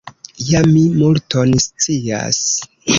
Ja mi multon scias.